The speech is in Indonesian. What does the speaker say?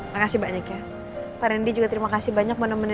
makasih banyak ya pak rendy juga terima kasih banyak menemani mama saya